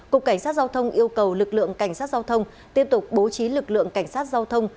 cục cảnh sát giao thông yêu cầu lực lượng cảnh sát giao thông tiếp tục bố trí lực lượng cảnh sát giao thông